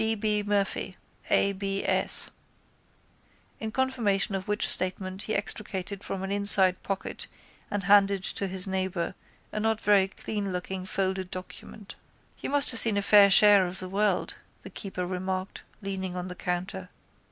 D. B. Murphy. A. B. S. In confirmation of which statement he extricated from an inside pocket and handed to his neighbour a not very cleanlooking folded document. —You must have seen a fair share of the world, the keeper remarked, leaning on the counter.